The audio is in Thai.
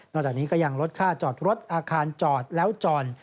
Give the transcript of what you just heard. จากนี้ก็ยังลดค่าจอดรถอาคารจอดแล้วจอด